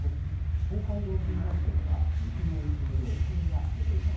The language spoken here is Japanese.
東海道新幹線は雪の影響で遅れが出ています。